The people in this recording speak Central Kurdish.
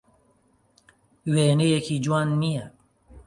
وێنەیەکی جوان نییە.